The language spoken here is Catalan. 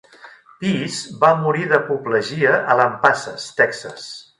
Pease va morir d'apoplegia a Lampasas, Texas.